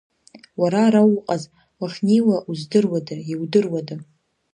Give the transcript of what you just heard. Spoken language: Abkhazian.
Уара ара уҟаз, уахьнеиуа уздыруада, иудыруада?!